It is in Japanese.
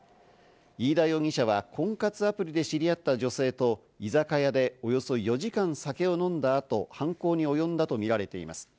飯田容疑者は婚活アプリで知り合った女性と居酒屋でおよそ４時間、酒を飲んだ後、犯行におよんだとみられています。